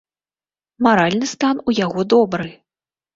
Маральны стан у яго добры.